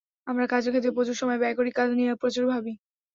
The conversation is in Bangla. আমরা কাজের ক্ষেত্রে প্রচুর সময় ব্যয় করি, কাজ নিয়ে প্রচুর ভাবি।